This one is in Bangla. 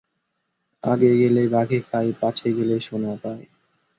আগে গেলে বাঘে খায়, পাছে গেলে সোনা পায়।